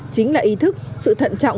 chính là ý thức sự thận trọng